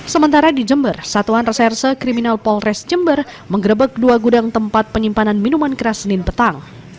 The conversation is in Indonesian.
sementara di jember satuan reserse kriminal polres jember mengerebek dua gudang tempat penyimpanan minuman keras senin petang